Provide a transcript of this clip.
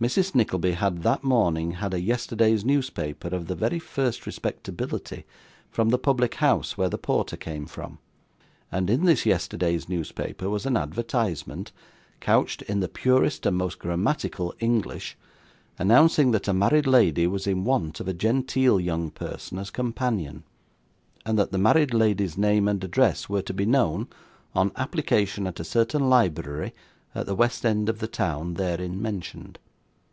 Mrs Nickleby had, that morning, had a yesterday's newspaper of the very first respectability from the public house where the porter came from; and in this yesterday's newspaper was an advertisement, couched in the purest and most grammatical English, announcing that a married lady was in want of a genteel young person as companion, and that the married lady's name and address were to be known, on application at a certain library at the west end of the town, therein mentioned.